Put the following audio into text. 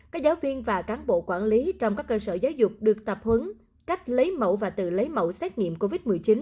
các giáo viên và cán bộ quản lý trong các cơ sở giáo dục được tập huấn cách lấy mẫu và tự lấy mẫu xét nghiệm covid một mươi chín